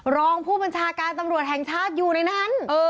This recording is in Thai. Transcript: รองผู้บัญชาการตำรวจแห่งชาติอยู่ในนั้น